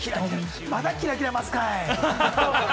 まだキラキラを増すかい？